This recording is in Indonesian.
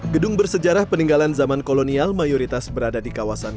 gedung bersejarah peninggalan zaman kolonial mayoritas berada di kawasan